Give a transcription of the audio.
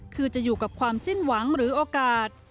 คือจะอยู่กับความสิ้นหวังหรือโอกาส